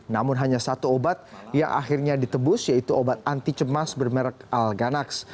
namun hanya satu obat yang akhirnya ditebus yaitu obat anti cemas bermerek alganax